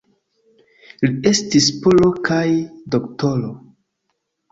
Li estis polo kaj doktoro.